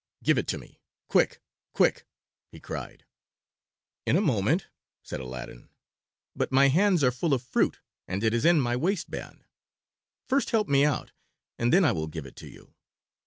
"Give it to me, quick, quick!" he cried. "In a moment," said Aladdin; "but my hands are full of fruit and it is in my waistband. First help me out, and then I will give it to you."